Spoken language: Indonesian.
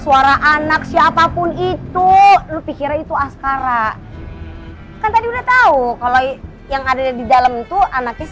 suara anak siapapun itu lu pikir itu askara kan tadi udah tahu kalau yang ada di dalam itu anaknya